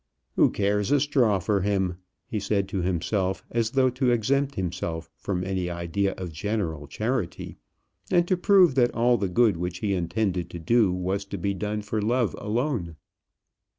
"Who cares a straw for him?" he said to himself, as though to exempt himself from any idea of general charity, and to prove that all the good which he intended to do was to be done for love alone.